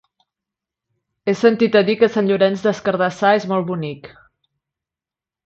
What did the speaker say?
He sentit a dir que Sant Llorenç des Cardassar és molt bonic.